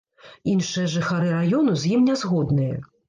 Іншыя жыхары раёну з ім нязгодныя.